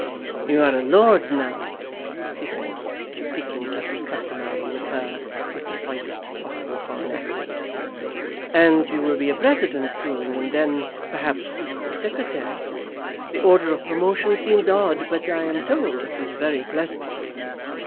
"You are a lord now," she said, speaking, as was customary with her, with the slightest possible foreign accent, "and you will be a president soon, and then perhaps a secretary. The order of promotion seems odd, but I am told it is very pleasant."